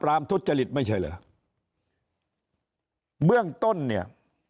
พราหมณ์ทุจจลิตไม่ใช่เหรอเมืองต้นนี่